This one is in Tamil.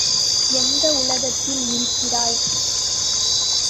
எந்த உலகத்தில் இருக்கிறாய்?